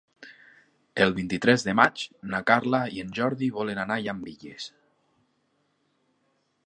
El vint-i-tres de maig na Carla i en Jordi volen anar a Llambilles.